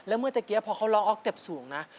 แล้วเมื่อตะกี้พอเขาร้องออกเต็ปสูงนะ